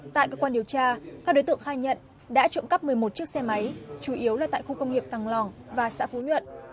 tại cơ quan điều tra các đối tượng khai nhận đã trộm cắp một mươi một chiếc xe máy chủ yếu là tại khu công nghiệp tăng lòng và xã phú nhuận